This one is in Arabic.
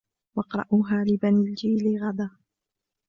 واقرأوها لبني الجيل غدا